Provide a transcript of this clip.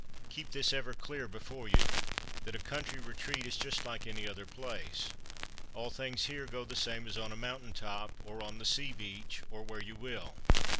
23. Keep this ever clear before you: that a country retreat is just like any other place. All things here go the same as on a mountain top, or on the sea beach, or where you will.